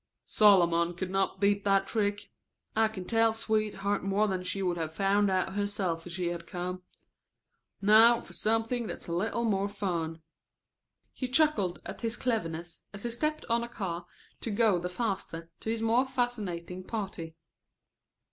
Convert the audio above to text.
"Solomon could not beat that trick. I can tell Sweetheart more than she could have found out herself if she had come. Now for something that's a little more fun." He chuckled at his cleverness as he stepped on a car to go the faster to his more fascinating party.